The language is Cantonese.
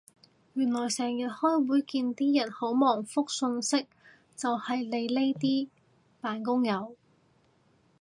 原來成日開會見啲人好忙覆訊息就係你呢啲扮工友